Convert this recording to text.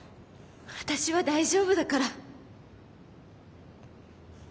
私は大丈夫だから。